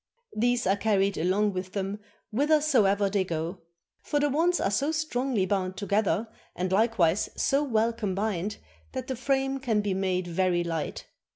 These are carried along with them whithersoever they go; for the wands are so strongly bound together and likewise so well combined that the frame can be made very light.